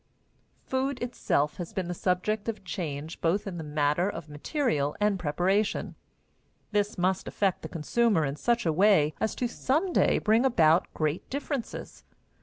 Food itself has been the subject of change both in the matter of material and preparation. This must affect the consumer in such a way as to some day bring about great differences.